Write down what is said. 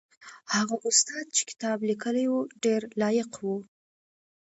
هغه استاد چې کتاب یې لیکلی و ډېر لایق و.